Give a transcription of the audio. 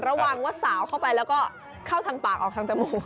ระวังว่าสาวเข้าไปแล้วก็เข้าทางปากออกทางจมูก